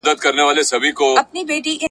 پیر بابا `